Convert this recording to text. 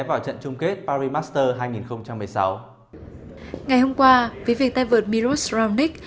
vào trận chung kết paris masters hai nghìn một mươi sáu ngày hôm qua với việc tay vượt miroslav nik